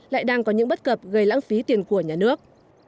lại đang có những bất cập gây lãng phí tiền của nhà nước